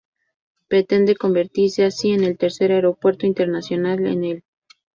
Pretende convertirse así en el tercer aeropuerto internacional en el